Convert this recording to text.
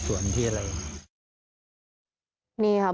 คิดว่าจะมีการสร้างบ้านในที่เดิมอีกไหม